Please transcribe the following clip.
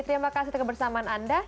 terima kasih untuk kebersamaan anda